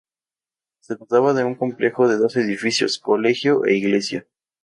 Se trataba de un complejo de dos edificios: colegio e iglesia.